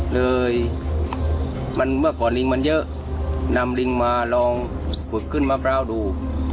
เลยเมื่อก่อนลิงมันเยอะนำลิงมาลองขุดขึ้นมะพร้าวดู